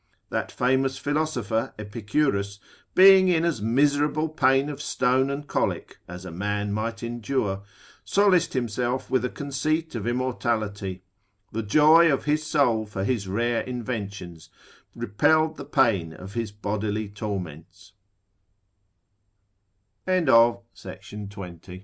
That famous philosopher Epicurus, being in as miserable pain of stone and colic, as a man might endure, solaced himself with a conceit of immortality; the joy of his soul for his rare inventions, repelled the pain of his